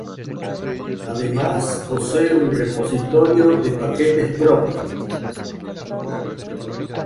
Además posee un repositorio de paquetes propio.